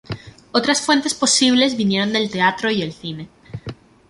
Otras fuentes posibles vinieron del teatro y el cine.